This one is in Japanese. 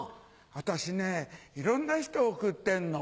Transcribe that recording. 私ねいろんな人を送ってんの。